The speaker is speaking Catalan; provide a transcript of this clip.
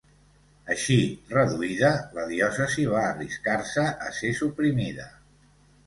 Així reduïda, la diòcesi va arriscar-se a ser suprimida.